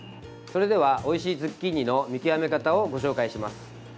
それではおいしいズッキーニの見極め方をご紹介します。